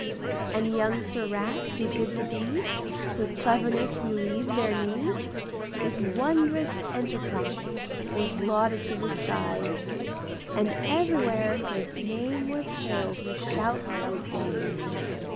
And young Sir Rat who did the deed, Whose cleverness relieved their need, His wondrous enterprise Was lauded to the skies. And everywhere his name Was hailed with shouts of fame.